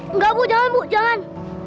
enggak bu jangan bu jangan